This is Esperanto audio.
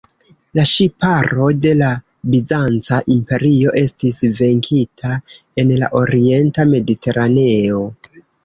La ŝiparo de la Bizanca Imperio estis venkita en la orienta Mediteraneo.